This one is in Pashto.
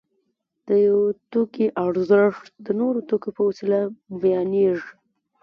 د یو توکي ارزښت د نورو توکو په وسیله بیانېږي